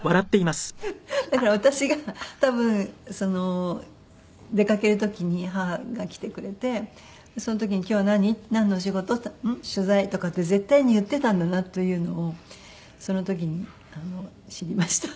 だから私が多分出かける時に母が来てくれてその時に「今日は何？なんのお仕事？」って言ったら「うん？取材」とかって絶対に言ってたんだなというのをその時に知りました。